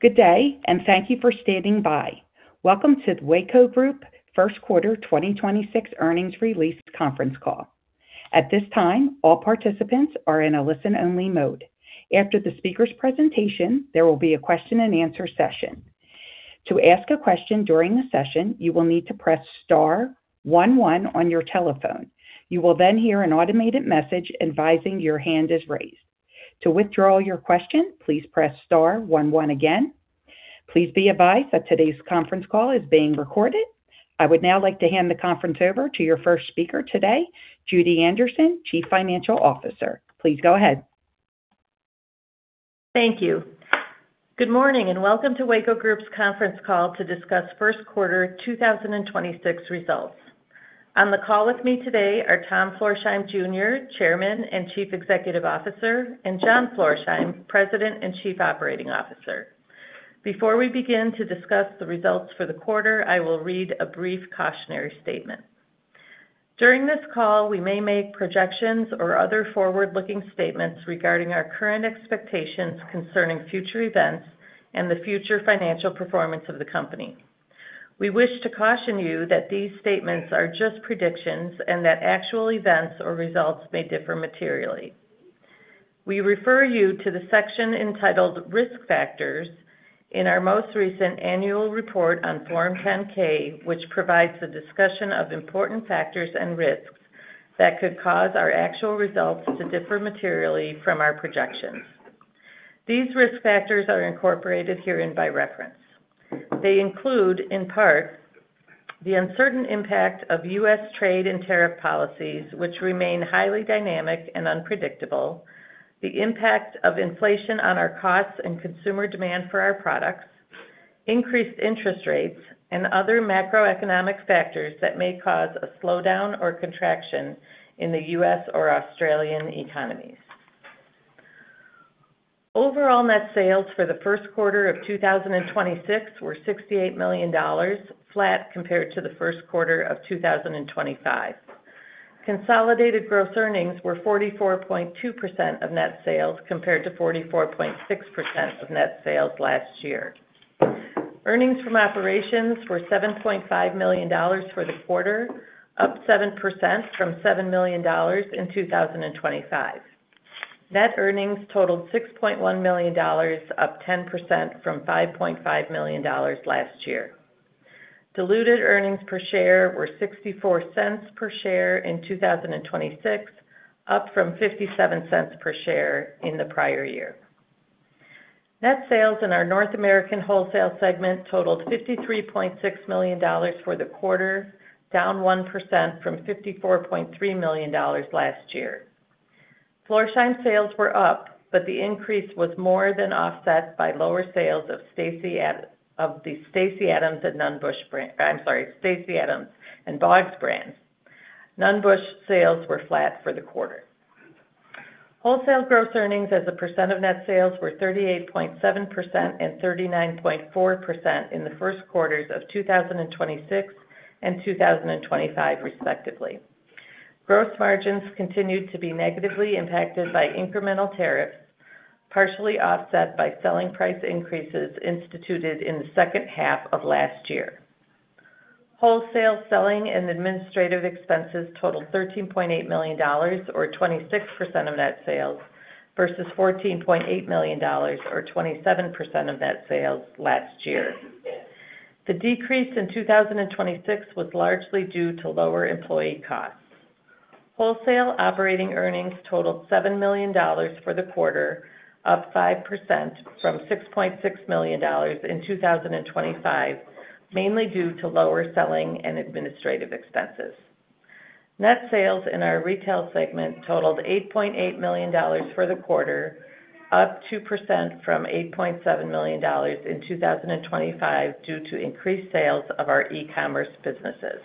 Good day and thank you for standing by. Welcome to the Weyco Group first quarter 2026 earnings release conference call. At this time, all participants are in a listen-only mode. After the speaker's presentation, there will be a Q&A session. To ask a question during the session, you will need to press star one one on your telephone. You will then hear an automated message advising your hand is raised. To withdraw your question, please press star one one again. Please be advised that today's conference call is being recorded. I would now like to hand the conference over to your first speaker today, Judy Anderson, Chief Financial Officer. Please go ahead. Thank you. Good morning, and welcome to Weyco Group's conference call to discuss first quarter 2026 results. On the call with me today are Tom Florsheim, Jr., Chairman and Chief Executive Officer, and John Florsheim, President and Chief Operating Officer. Before we begin to discuss the results for the quarter, I will read a brief cautionary statement. During this call, we may make projections or other forward-looking statements regarding our current expectations concerning future events and the future financial performance of the company. We wish to caution you that these statements are just predictions, and that actual events or results may differ materially. We refer you to the section entitled Risk Factors in our most recent annual report on Form 10-K, which provides a discussion of important factors and risks that could cause our actual results to differ materially from our projections. These risk factors are incorporated herein by reference. They include, in part, the uncertain impact of U.S. trade and tariff policies, which remain highly dynamic and unpredictable, the impact of inflation on our costs and consumer demand for our products, increased interest rates, and other macroeconomic factors that may cause a slowdown or contraction in the U.S. or Australian economies. Overall net sales for the first quarter of 2026 were $68 million, flat compared to the first quarter of 2025. Consolidated gross earnings were 44.2% of net sales compared to 44.6% of net sales last year. Earnings from operations were $7.5 million for the quarter, up 7% from $7 million in 2025. Net earnings totaled $6.1 million, up 10% from $5.5 million last year. Diluted earnings per share were $0.64 per share in 2026, up from $0.57 per share in the prior year. Net sales in our North American wholesale segment totaled $53.6 million for the quarter, down 1% from $54.3 million last year. Florsheim sales were up, but the increase was more than offset by lower sales of the Stacy Adams and BOGS brands. Nunn Bush sales were flat for the quarter. Wholesale gross earnings as a percent of net sales were 38.7% and 39.4% in the first quarters of 2026 and 2025, respectively. Gross margins continued to be negatively impacted by incremental tariffs, partially offset by selling price increases instituted in the second half of last year. Wholesale selling and administrative expenses totaled $13.8 million, or 26% of net sales, versus $14.8 million, or 27% of net sales last year. The decrease in 2026 was largely due to lower employee costs. Wholesale operating earnings totaled $7 million for the quarter, up 5% from $6.6 million in 2025, mainly due to lower selling and administrative expenses. Net sales in our retail segment totaled $8.8 million for the quarter, up 2% from $8.7 million in 2025 due to increased sales of our e-commerce businesses.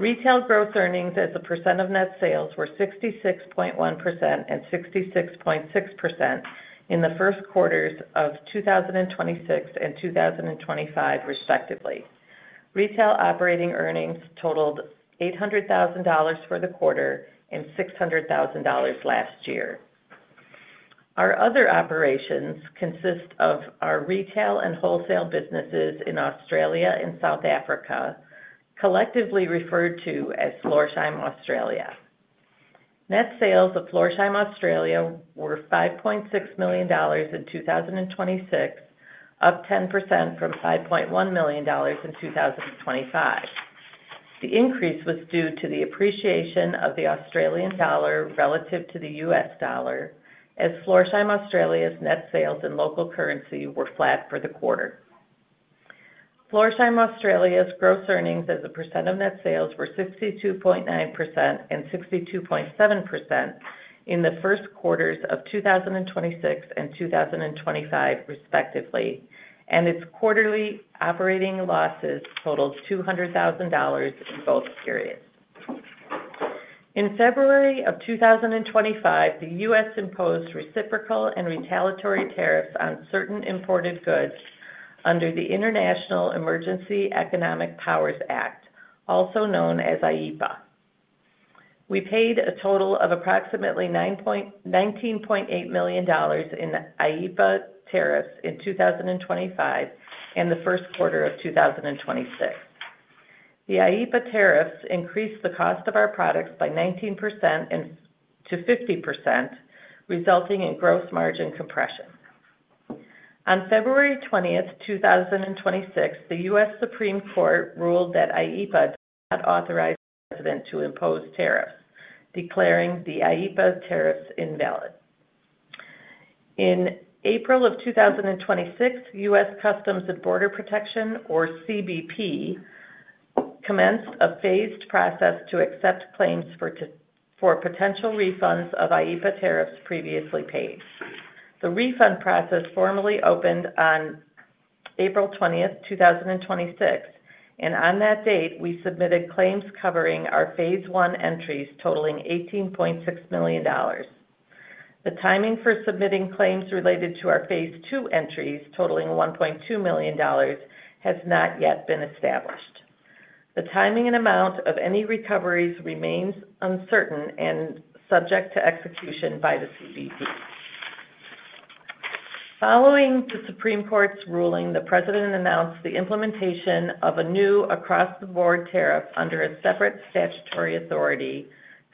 Retail gross earnings as a percent of net sales were 66.1% and 66.6% in the first quarters of 2026 and 2025, respectively. Retail operating earnings totaled $800,000 for the quarter and $600,000 last year. Our other operations consist of our retail and wholesale businesses in Australia and South Africa, collectively referred to as Florsheim Australia. Net sales of Florsheim Australia were $5.6 million in 2026, up 10% from $5.1 million in 2025. The increase was due to the appreciation of the Australian dollar relative to the U.S. dollar as Florsheim Australia's net sales in local currency were flat for the quarter. Florsheim Australia's gross earnings as a percent of net sales were 62.9% and 62.7% in the first quarters of 2026 and 2025, respectively, and its quarterly operating losses totaled $200,000 in both periods. In February of 2025, the U.S. imposed reciprocal and retaliatory tariffs on certain imported goods under the International Emergency Economic Powers Act, also known as IEEPA. We paid a total of approximately $19.8 million in IEEPA tariffs in 2025 and the first quarter of 2026. The IEEPA tariffs increased the cost of our products by 19% and to 50%, resulting in gross margin compression. On February 20th, 2026, the U.S. Supreme Court ruled that IEEPA had not authorized the president to impose tariffs, declaring the IEEPA tariffs invalid. In April of 2026, U.S. Customs and Border Protection, or CBP, commenced a phased process to accept claims for potential refunds of IEEPA tariffs previously paid. The refund process formally opened on April 20th, 2026. On that date, we submitted claims covering our phase 1 entries totaling $18.6 million. The timing for submitting claims related to our phase 2 entries, totaling $1.2 million, has not yet been established. The timing and amount of any recoveries remains uncertain and subject to execution by the CBP. Following the Supreme Court's ruling, the president announced the implementation of a new across-the-board tariff under a separate statutory authority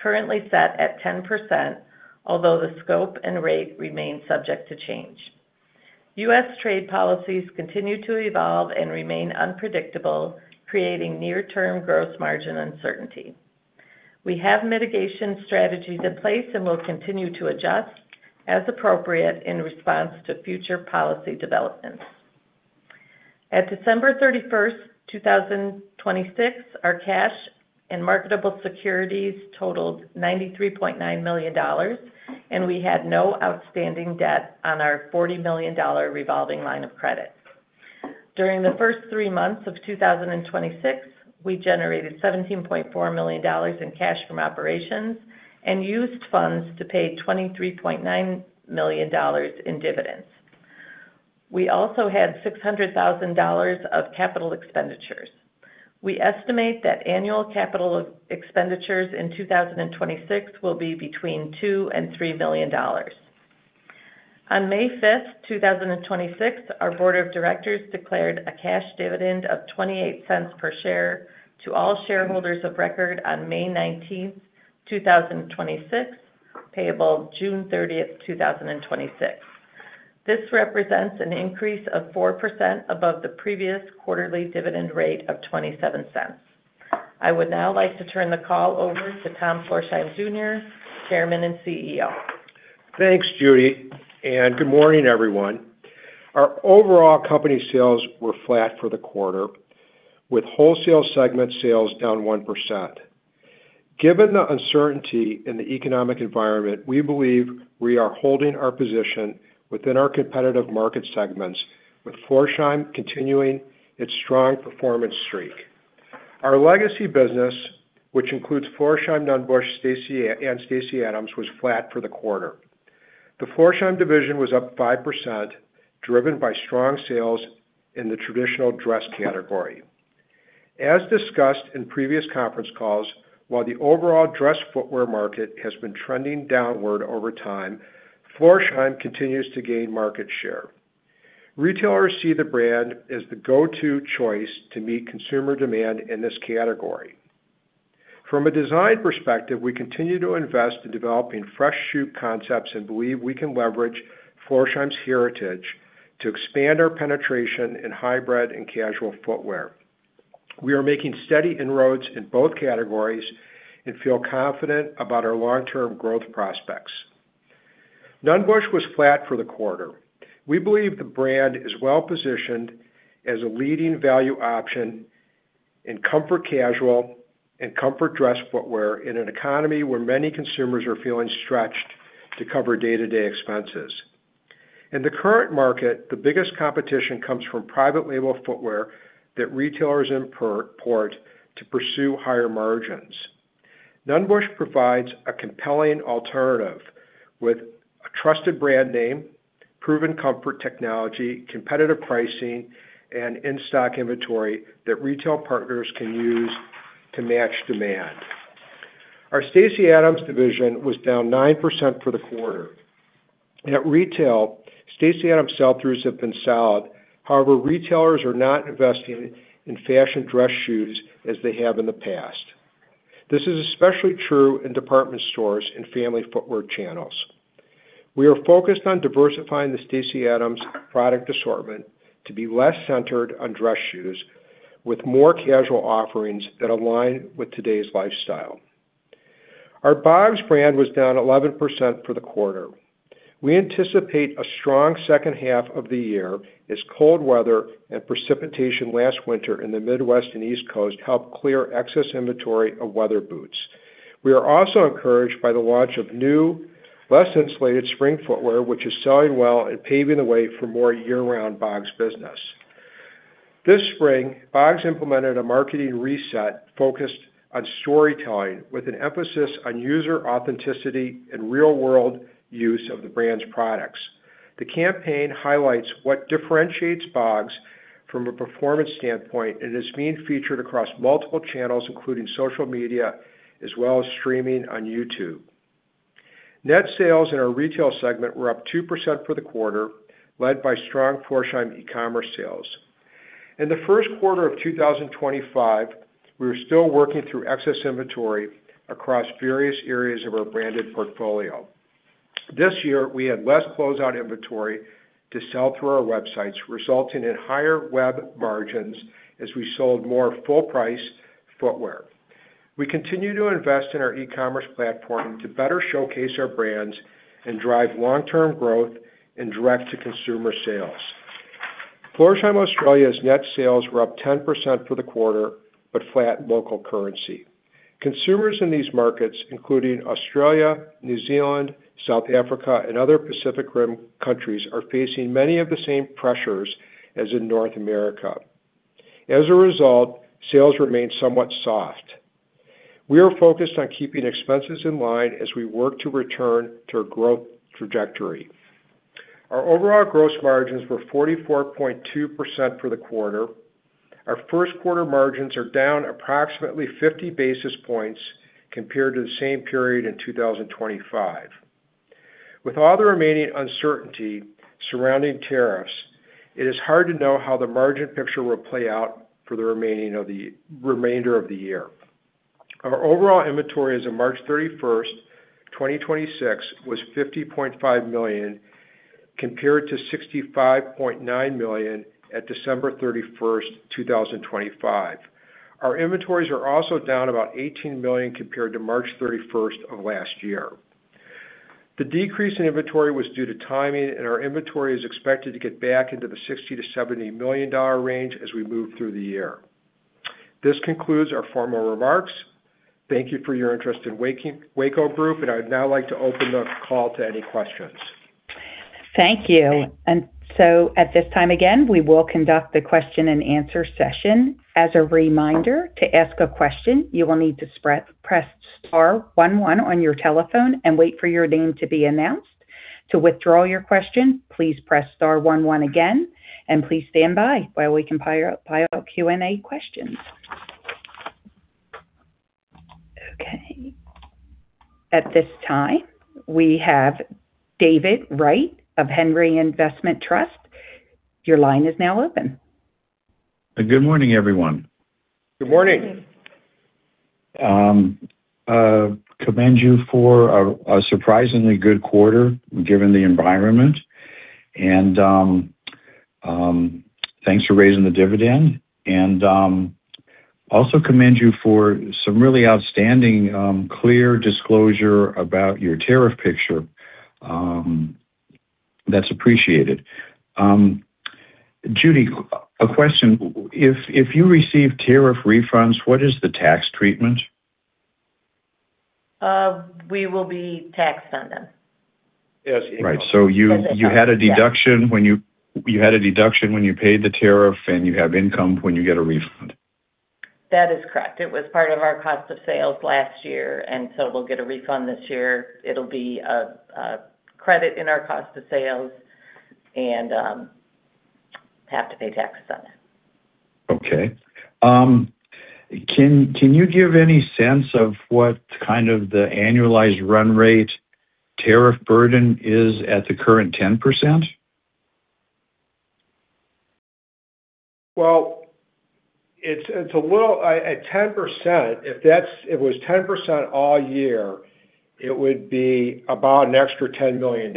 currently set at 10%, although the scope and rate remain subject to change. U.S. trade policies continue to evolve and remain unpredictable, creating near-term gross margin uncertainty. We have mitigation strategies in place and will continue to adjust as appropriate in response to future policy developments. At December 31st, 2026, our cash and marketable securities totaled $93.9 million, and we had no outstanding debt on our $40 million revolving line of credit. During the first three months of 2026, we generated $17.4 million in cash from operations and used funds to pay $23.9 million in dividends. We also had $600,000 of capital expenditures. We estimate that annual capital expenditures in 2026 will be between $2 million and $3 million. On May 5th, 2026, our board of directors declared a cash dividend of $0.28 per share to all shareholders of record on May 19th, 2026, payable June 30th, 2026. This represents an increase of 4% above the previous quarterly dividend rate of $0.27. I would now like to turn the call over to Tom Florsheim, Jr., Chairman and CEO. Thanks, Judy. Good morning, everyone. Our overall company sales were flat for the quarter, with Wholesale segment sales down 1%. Given the uncertainty in the economic environment, we believe we are holding our position within our competitive market segments, with Florsheim continuing its strong performance streak. Our legacy business, which includes Florsheim, Nunn Bush, and Stacy Adams, was flat for the quarter. The Florsheim division was up 5%, driven by strong sales in the traditional dress category. As discussed in previous conference calls, while the overall dress footwear market has been trending downward over time, Florsheim continues to gain market share. Retailers see the brand as the go-to choice to meet consumer demand in this category. From a design perspective, we continue to invest in developing fresh shoe concepts and believe we can leverage Florsheim's heritage to expand our penetration in hybrid and casual footwear. We are making steady inroads in both categories and feel confident about our long-term growth prospects. Nunn Bush was flat for the quarter. We believe the brand is well-positioned as a leading value option in comfort casual and comfort dress footwear in an economy where many consumers are feeling stretched to cover day-to-day expenses. In the current market, the biggest competition comes from private label footwear that retailers import to pursue higher margins. Nunn Bush provides a compelling alternative with a trusted brand name, proven comfort technology, competitive pricing, and in-stock inventory that retail partners can use to match demand. Our Stacy Adams division was down 9% for the quarter. At retail, Stacy Adams sell-throughs have been solid. However, retailers are not investing in fashion dress shoes as they have in the past. This is especially true in department stores and family footwear channels. We are focused on diversifying the Stacy Adams product assortment to be less centered on dress shoes with more casual offerings that align with today's lifestyle. Our BOGS brand was down 11% for the quarter. We anticipate a strong second half of the year as cold weather and precipitation last winter in the Midwest and East Coast helped clear excess inventory of weather boots. We are also encouraged by the launch of new, less insulated spring footwear, which is selling well and paving the way for more year-round BOGS business. This spring, BOGS implemented a marketing reset focused on storytelling with an emphasis on user authenticity and real-world use of the brand's products. The campaign highlights what differentiates BOGS from a performance standpoint and is being featured across multiple channels, including social media, as well as streaming on YouTube. Net sales in our retail segment were up 2% for the quarter, led by strong Florsheim e-commerce sales. In the first quarter of 2025, we were still working through excess inventory across various areas of our branded portfolio. This year, we had less closeout inventory to sell through our websites, resulting in higher web margins as we sold more full-price footwear. We continue to invest in our e-commerce platform to better showcase our brands and drive long-term growth in direct-to-consumer sales. Florsheim Australia's net sales were up 10% for the quarter, but flat local currency. Consumers in these markets, including Australia, New Zealand, South Africa, and other Pacific Rim countries, are facing many of the same pressures as in North America. As a result, sales remain somewhat soft. We are focused on keeping expenses in line as we work to return to a growth trajectory. Our overall gross margins were 44.2% for the quarter. Our first quarter margins are down approximately 50 basis points compared to the same period in 2025. With all the remaining uncertainty surrounding tariffs, it is hard to know how the margin picture will play out for the remainder of the year. Our overall inventory as of March 31st, 2026 was $50.5 million, compared to $65.9 million at December 31st, 2025. Our inventories are also down about $18 million compared to March 31st of last year. The decrease in inventory was due to timing, and our inventory is expected to get back into the $60 million-$70 million range as we move through the year. This concludes our formal remarks. Thank you for your interest in Weyco Group, and I'd now like to open the call to any questions. Thank you. At this time, again, we will conduct the Q&A session. As a reminder, to ask a question, you will need to press star one one on your telephone and wait for your name to be announced. To withdraw your question, please press star one one again, and please stand by while we compile Q&A questions. Okay. At this time, we have David Wright of Henry Investment Trust. Your line is now open. Good morning, everyone. Good morning. Good morning. Commend you for a surprisingly good quarter given the environment and thanks for raising the dividend and also commend you for some really outstanding clear disclosure about your tariff picture. That's appreciated. Judy, a question. If you receive tariff refunds, what is the tax treatment? We will be taxed on them. Yes, Right. You had a deduction when you paid the tariff, and you have income when you get a refund? That is correct. It was part of our cost of sales last year. We'll get a refund this year. It'll be a credit in our cost of sales and have to pay taxes on it. Okay. Can you give any sense of what kind of the annualized run rate tariff burden is at the current 10%? Well, it's a little, at 10%, if it was 10% all year, it would be about an extra $10 million,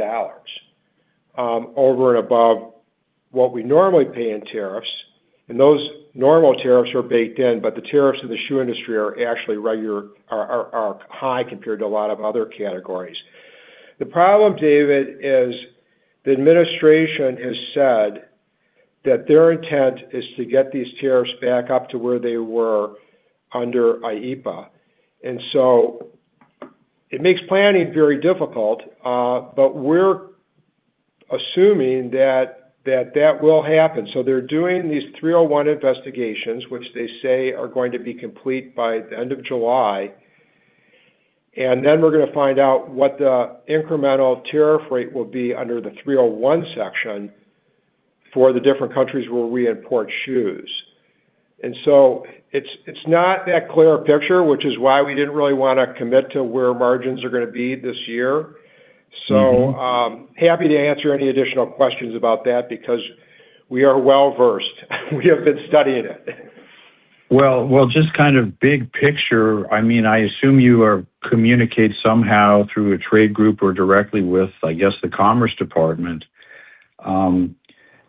over and above what we normally pay in tariffs, and those normal tariffs are baked in, but the tariffs in the shoe industry are actually high compared to a lot of other categories. The problem, David, is the administration has said that their intent is to get these tariffs back up to where they were under IEEPA. It makes planning very difficult, but we're assuming that that will happen. They're doing these 301 investigations, which they say are going to be complete by the end of July, and then we're gonna find out what the incremental tariff rate will be under the 301 section for the different countries where we import shoes. It's not that clear a picture, which is why we didn't really wanna commit to where margins are gonna be this year. Happy to answer any additional questions about that because we are well-versed. We have been studying it. Well, just kind of big picture, I mean, I assume you communicate somehow through a trade group or directly with, I guess, the Commerce Department.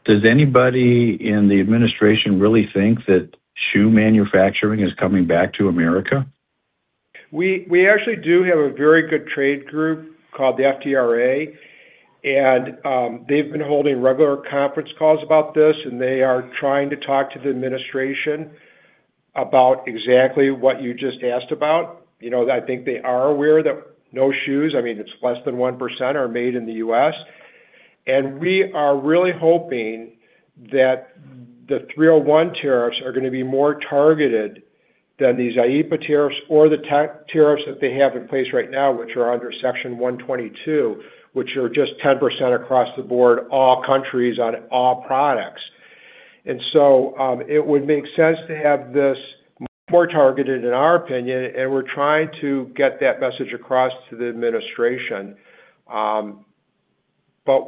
Does anybody in the administration really think that shoe manufacturing is coming back to America? We actually do have a very good trade group called the FDRA, and they've been holding regular conference calls about this, and they are trying to talk to the administration about exactly what you just asked about. You know, I think they are aware that no shoes, I mean, it's less than 1%, are made in the U.S. We are really hoping that the 301 tariffs are gonna be more targeted than these IEEPA tariffs or the tariffs that they have in place right now, which are under Section 122, which are just 10% across the board, all countries on all products. It would make sense to have this more targeted, in our opinion, and we're trying to get that message across to the administration.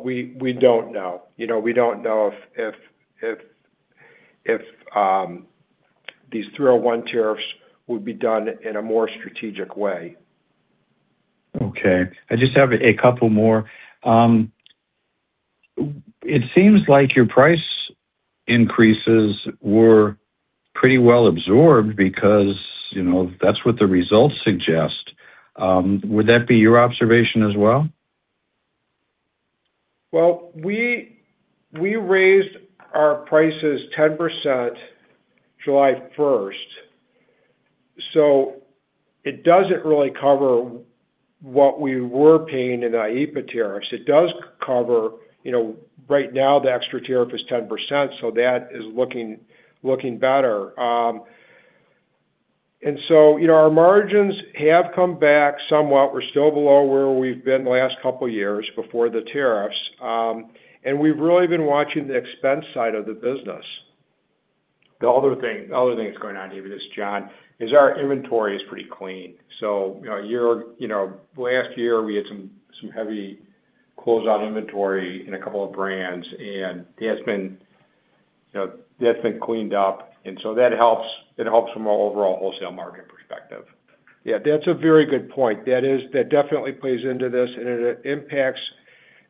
We don't know. You know, we don't know if these 301 tariffs would be done in a more strategic way. Okay. I just have a couple more. It seems like your price increases were pretty well absorbed because, you know, that's what the results suggest. Would that be your observation as well? We raised our prices 10% July 1st, so it doesn't really cover what we were paying in IEEPA tariffs. It does cover, you know, right now the extra tariff is 10%, so that is looking better. You know, our margins have come back somewhat. We're still below where we've been the last couple years before the tariffs. We've really been watching the expense side of the business. The other thing that's going on, David, it's John, is our inventory is pretty clean. You know, last year we had some heavy closeout inventory in a couple of brands, that's been cleaned up, that helps. It helps from a overall wholesale market perspective. Yeah, that's a very good point. That definitely plays into this, it impacts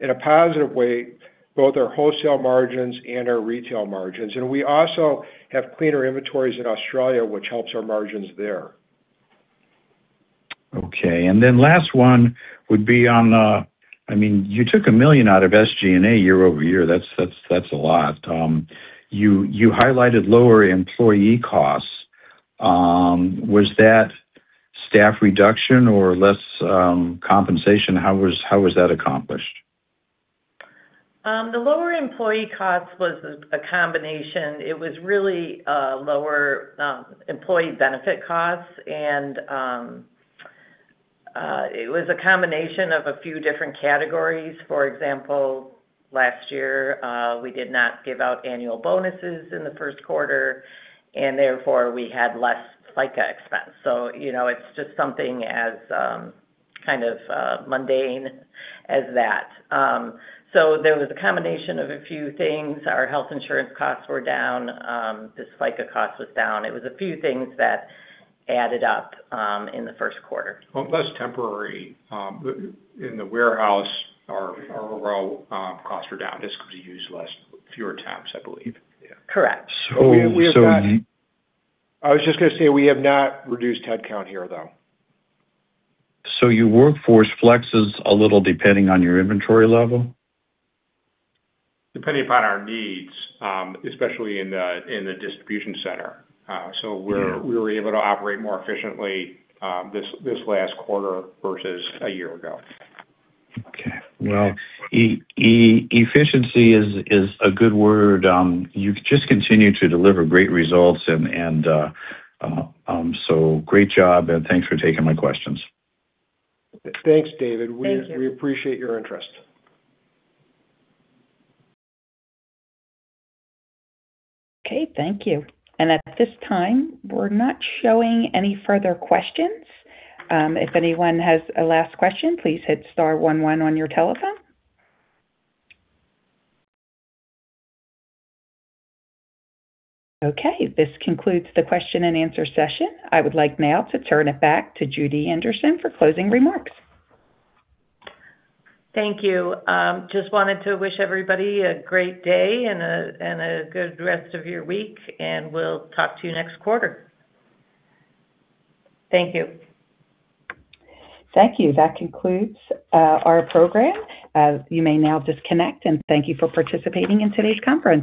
in a positive way, both our wholesale margins and our retail margins. We also have cleaner inventories in Australia, which helps our margins there. Okay. Last one would be on the I mean, you took $1 million out of SG&A year-over-year. That's a lot. You highlighted lower employee costs. Was that staff reduction or less compensation? How was that accomplished? The lower employee cost was a combination. It was really lower employee benefit costs and it was a combination of a few different categories. For example, last year, we did not give out annual bonuses in the first quarter, therefore we had less FICA expense. You know, it's just something as kind of mundane as that. There was a combination of a few things. Our health insurance costs were down. Just FICA cost was down. It was a few things that added up in the first quarter. Well, plus temporary, in the warehouse, our overall costs are down just because you use less, fewer temps, I believe. Yeah. Correct. We have not. So, so you- I was just gonna say, we have not reduced headcount here, though. Your workforce flexes a little depending on your inventory level? Depending upon our needs, especially in the distribution center. We were able to operate more efficiently, this last quarter versus a year ago. Okay. Well, efficiency is a good word. You've just continued to deliver great results and great job, and thanks for taking my questions. Thanks, David. Thank you. We appreciate your interest. Okay, thank you. At this time, we're not showing any further questions. If anyone has a last question, please hit star one one on your telephone. Okay. This concludes the Q&A session. I would like now to turn it back to Judy Anderson for closing remarks. Thank you. Just wanted to wish everybody a great day and a good rest of your week, and we'll talk to you next quarter. Thank you. Thank you. That concludes our program. You may now disconnect and thank you for participating in today's conference.